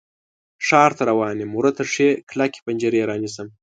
ښار ته روان یم، ورته ښې کلکې پنجرې رانیسم